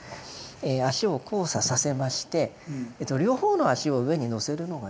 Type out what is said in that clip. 足を交差させまして両方の足を上に乗せるのがですね